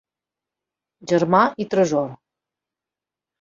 Germà i tresor.